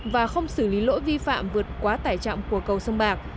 và không xử lý lỗi vi phạm vượt quá tải trọng của cầu sông bạc